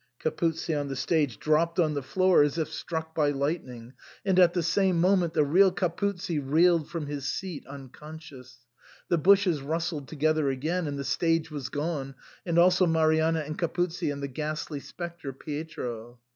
Capuzzi on the stage dropped on the floor as if SIGNOR FORMICA. 163 struck by lightning, and at the same moment the real Capuzzi reeled from his seat unconscious. The bushes rustled together again, and the stage was gone, and also Marianna and Capuzzi and the ghastly spectre Pietro.